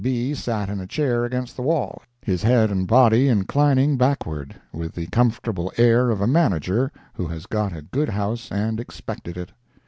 B. sat in a chair against the wall, his head and body inclining backward, with the comfortable air of a manager who has got a good house and expected it.